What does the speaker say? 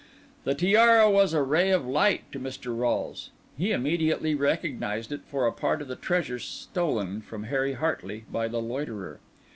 The tiara was a ray of light to Mr. Rolles; he immediately recognised it for a part of the treasure stolen from Harry Hartley by the loiterer.